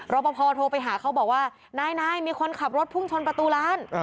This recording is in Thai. ปภโทรไปหาเขาบอกว่านายมีคนขับรถพุ่งชนประตูร้าน